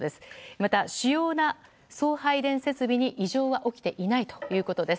また主要な送配電設備に異常は起きていないということです。